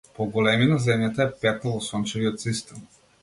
По големина земјата е петта во сончевиот систем.